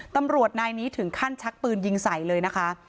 ตำรวจนายนี้ถึงขั้นชักปืนยิงใส่เลยนะคะ